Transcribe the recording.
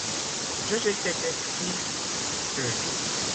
Je jetai des cris affreux.